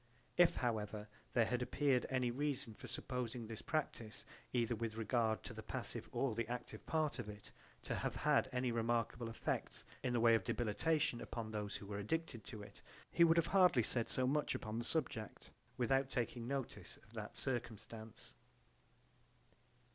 If however there had appeared any reason for supposing this practise, either with regard to the passive or the active part of it, to have had any remarkable effects in the way of debilitation upon those who were addicted to it, he would have hardly said so much / upon the subject without taking notice of that circumstance.